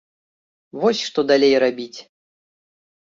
Вось што далей рабіць!